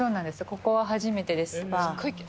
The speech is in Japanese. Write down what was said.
ここは初めてです。